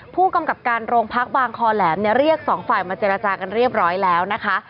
ผู้กำกับการโรงพักบางคอแหลมเนี่ยเรียกสองฝ่ายมาเจรจากันเรียบร้อยแล้วนะคะ